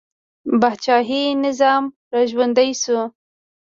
پاچاهي نظام را ژوندی شو.